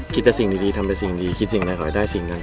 คิดต่อสิ่งดีทำเป็นสิ่งดี